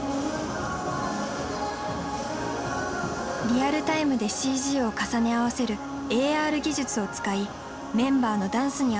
リアルタイムでＣＧを重ね合わせるＡＲ技術を使いメンバーのダンスに合わせて光が動きます。